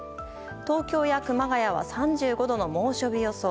東京や熊谷は３５度の猛暑日予想。